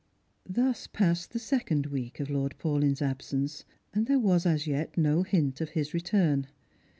Thus passed the second week of Lord Paulyn's absence, and there was as yet no hint of his return.